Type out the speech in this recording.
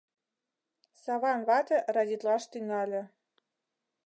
Саван вате радитлаш тӱҥале.